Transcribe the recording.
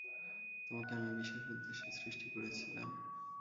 তোমাকে আমি বিশেষ উদ্দেশ্যে সৃষ্টি করেছিলাম।